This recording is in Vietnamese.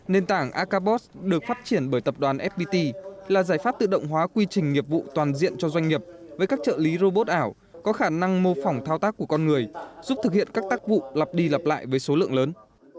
nền tảng acabot được phát triển bởi tập đoàn fpt là giải pháp tự động hóa quy trình nghiệp vụ toàn diện cho doanh nghiệp với các trợ lý robot ảo có khả năng mô phỏng thao tác của con người giúp thực hiện các tác vụ lặp đi lặp lại với số lượng lớn